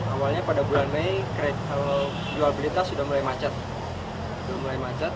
awalnya pada bulan mei jual beli tas sudah mulai macet